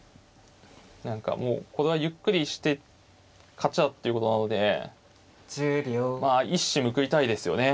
何かもうこれはゆっくりして勝ちだっていうことなのでまあ一矢報いたいですよね。